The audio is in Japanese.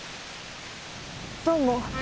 どうも。